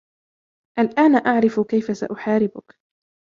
الآن أعرف كيف سأحاربك.